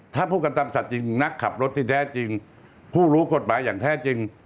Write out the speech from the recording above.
ถ้าพูดกันตามสัตว์จริงนักขับรถที่แท้จริงผู้รู้กฎหมายอย่างแท้จริง